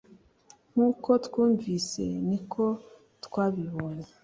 nk’uko twumvise ni ko twabibonye